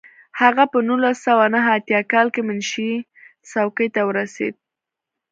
هغه په نولس سوه نهه اتیا کال کې منشي څوکۍ ته ورسېد.